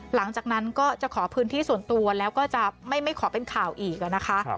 หลังจากนั้นก็จะขอพื้นที่ส่วนตัวแล้วก็จะไม่ขอเป็นข่าวอีกนะคะ